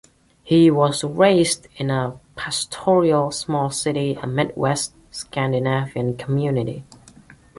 He was raised in a "pastoral, small city... a midwest Scandinavian community".